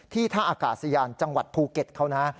ท่าอากาศยานจังหวัดภูเก็ตเขานะ